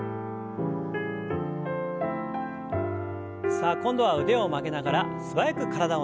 さあ今度は腕を曲げながら素早く体をねじります。